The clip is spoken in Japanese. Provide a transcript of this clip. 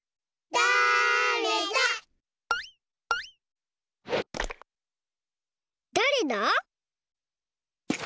だれだ？